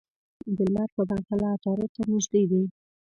د لمر په پرتله عطارد ته نژدې دي.